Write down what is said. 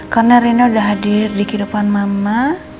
karena reina udah hadir di kehidupan mama